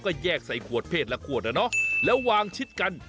ก็แยกใส่ขวดเพล็ดละขวดแล้ววางชิดกัน